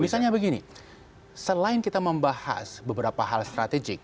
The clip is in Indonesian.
misalnya begini selain kita membahas beberapa hal strategik